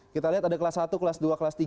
kita lihat ada kelas satu kelas dua kelas tiga